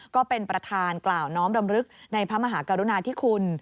ก็เป็นประธานกล่าวน้อมรำลึกในพระมหากรุณาธิคุณ